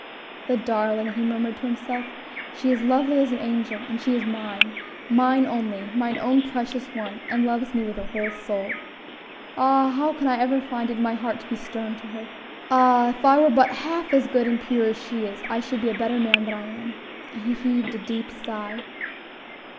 "The darling!" he murmured to himself; "she is lovely as an angel, and she is mine, mine only, mine own precious one; and loves me with her whole soul. Ah! how can I ever find it in my heart to be stern to her? Ah! if I were but half as good and pure as she is, I should be a better man than I am." And he heaved a deep sigh.